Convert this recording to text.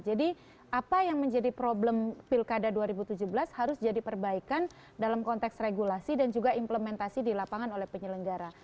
jadi apa yang menjadi problem pilkada dua ribu tujuh belas harus jadi perbaikan dalam konteks regulasi dan juga implementasi di lapangan oleh penyelenggara